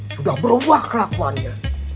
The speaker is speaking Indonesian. sudah berubah kelakuannya